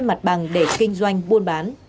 mặt bằng để kinh doanh buôn bán